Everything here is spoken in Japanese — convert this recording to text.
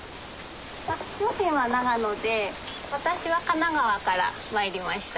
あっ両親は長野で私は神奈川から参りました。